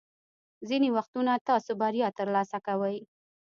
ځینې وختونه تاسو بریا ترلاسه کوئ.